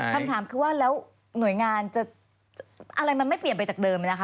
อะไรมันไม่เปลี่ยนไปจากเดิมไหมนะคะ